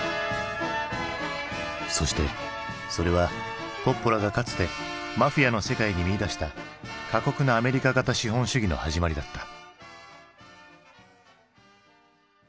そしてそれはコッポラがかつてマフィアの世界に見いだした過酷なアメリカ型資本主義の始まりだった。